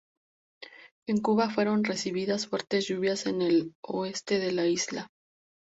En Cuba fueron recibidas fuertes lluvias en el oeste de la isla.